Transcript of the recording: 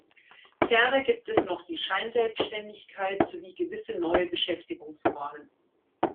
Ferner gibt es noch die Scheinselbständigkeit sowie gewisse neue Beschäftigungsformen.